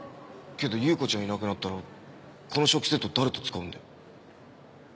けど優子ちゃんいなくなったらこの食器セット誰と使うんだよ。